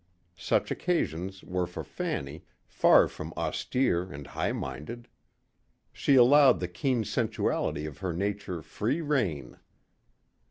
Such occasions were for Fanny far from austere and high minded. She allowed the keen sensuality of her nature free reign.